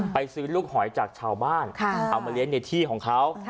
ซื้อลูกหอยจากชาวบ้านเอามาเลี้ยงในที่ของเขา